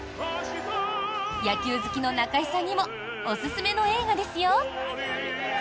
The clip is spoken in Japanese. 野球好きの中居さんにもおすすめの映画ですよ。